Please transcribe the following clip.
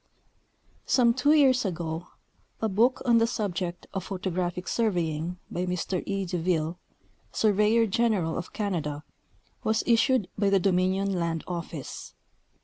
— Some two years ago a book on the subject of photogra]3liic surveying by Mr E. Deville, sur veyor general of Canada, was issued by the Dominion land office.